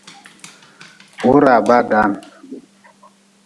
Wuraa baa daan.